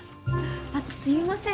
あと、すみません